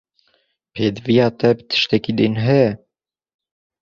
Pêdiviya te bi tiştekî din heye?